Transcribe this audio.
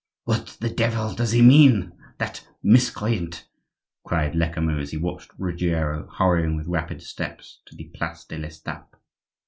"What the devil does he mean, that miscreant?" cried Lecamus, as he watched Ruggiero hurrying with rapid steps to the place de l'Estape.